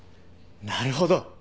なるほど。